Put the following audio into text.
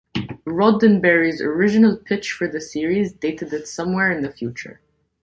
Roddenberry's original pitch for the series dated it 'somewhere in the future.